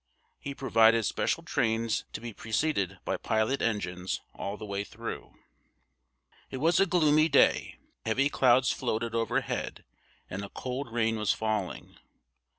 He provided special trains to be preceded by pilot engines all the way through. It was a gloomy day: heavy clouds floated overhead, and a cold rain was falling.